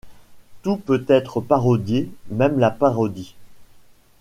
Tout peut être parodié, même la parodie.